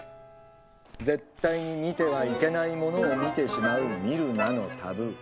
絶対に見てはいけないものを見てしまう「見るな」のタブー。